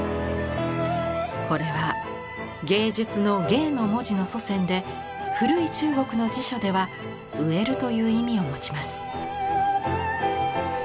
これは芸術の「藝」の文字の祖先で古い中国の辞書では「植える」という意味を持ちます。